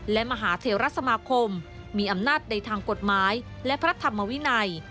และมหาเทวรัฐสมาคมมีอำนาจในทางกฎหมายและพระธรรมวินัย